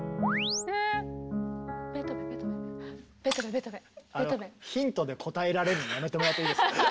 ベートーベンベートーベン？ヒントで答えられるのやめてもらっていいですか？